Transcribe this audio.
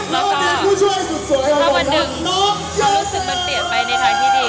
แล้วก็วันหนึ่งความรู้สึกมันเปลี่ยนไปในทางที่ดี